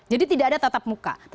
jadi tidak ada tatap muka